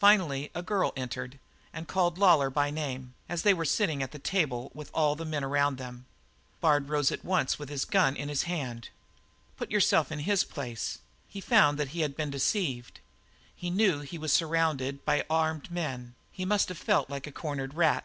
Finally a girl entered and called Lawlor by name, as they were sitting at the table with all the men around them. Bard rose at once with a gun in his hand. "Put yourself in his place. He found that he had been deceived, he knew that he was surrounded by armed men, he must have felt like a cornered rat.